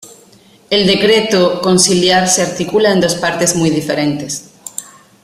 El decreto conciliar se articula en dos partes muy diferentes.